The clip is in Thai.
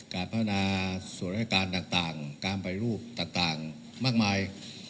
การพนาศัพท์สวรรคการต่างการปฏิรูปต่างมากมาย